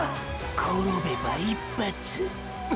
転べば一発ゥ。